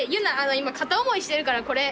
今片思いしてるからこれ。